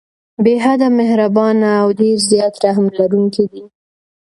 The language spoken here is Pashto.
بې حده مهربان او ډير زيات رحم لرونکی دی